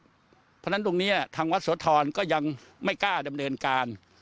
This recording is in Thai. เพราะฉะนั้นตรงนี้ทางวัดโสธรก็ยังไม่กล้าดำเนินการ